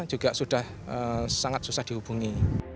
juga sudah sangat susah dihubungi